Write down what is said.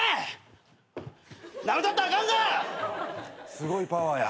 すごいパワーや。